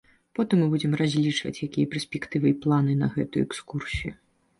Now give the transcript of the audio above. Потым мы будзем разлічваць, якія перспектывы і планы на гэтую экскурсію.